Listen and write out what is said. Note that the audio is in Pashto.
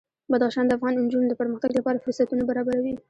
بدخشان د افغان نجونو د پرمختګ لپاره فرصتونه برابروي.